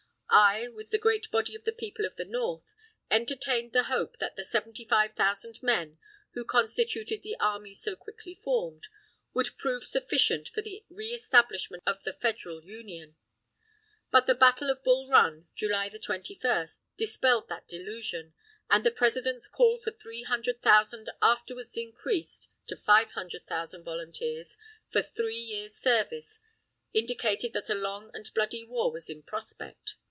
I, with the great body of the people of the North, entertained the hope that the seventy five thousand men, who constituted the army so quickly formed, would prove sufficient for the reëstablisment of the Federal Union. But the battle of Bull Run, July 21, dispelled that delusion, and the President's call for three hundred thousand afterwards increased to five hundred thousand volunteers for three years' service indicated that a long and bloody war was in prospect.